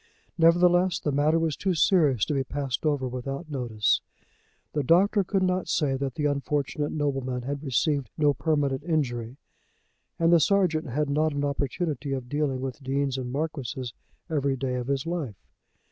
Nevertheless the matter was too serious to be passed over without notice. The doctor could not say that the unfortunate nobleman had received no permanent injury; and the sergeant had not an opportunity of dealing with deans and marquises every day of his life.